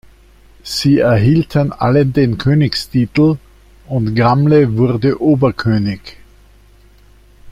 Sie erhielten alle den Königstitel, und Gamle wurde Oberkönig.